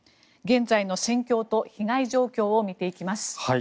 現在の戦況と被害状況を見ていきます。